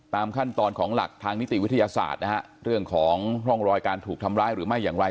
ตามขั้นตอนของหลักทางนิติวิทยาศาสตร์นะฮะเรื่องของร่องรอยการถูกทำร้ายหรือไม่อย่างไร